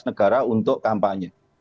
negara untuk kampanye